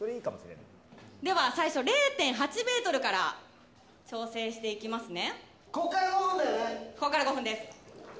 では最初０．８メートルから挑戦していきますね。